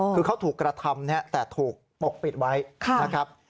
คือเขาถูกกระทำแต่ถูกปกปิดไว้นะครับ